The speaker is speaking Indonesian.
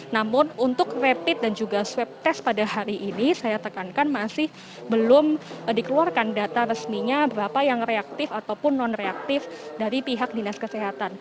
namun untuk rapid dan juga swab test pada hari ini saya tekankan masih belum dikeluarkan data resminya berapa yang reaktif ataupun non reaktif dari pihak dinas kesehatan